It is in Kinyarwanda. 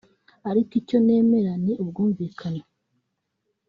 Ariko icyo nemera ni ubwumvikane